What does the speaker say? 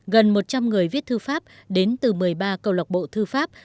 gần một trăm linh người viết thư pháp đến từ một mươi ba cầu lạc bộ thư pháp